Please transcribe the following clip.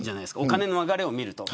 お金での流れを見ると。